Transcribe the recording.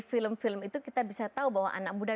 film film itu kita bisa tahu bahwa anak muda